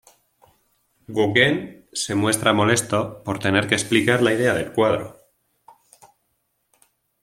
Gauguin se muestra molesto por tener que explicar la idea del cuadro.